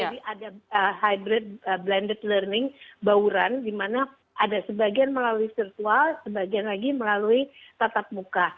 ada hybrid blended learning bauran di mana ada sebagian melalui virtual sebagian lagi melalui tatap muka